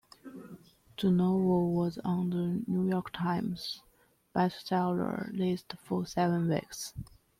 The novel was on the "New York Times" bestseller list for seven weeks.